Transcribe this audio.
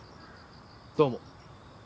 どうも。